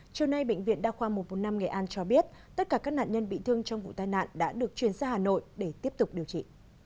trưa nay bệnh viện đa khoa một trăm một mươi năm nghệ an cho biết tất cả các nạn nhân bị thương trong vụ tai nạn đã được chuyển ra hà nội để tiếp tục điều trị